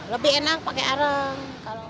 lebih enak pake areng